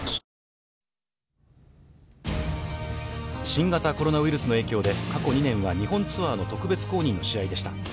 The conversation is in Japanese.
新型コロナウイルスの影響で過去２年は日本ツアーの特別公認の大会でした。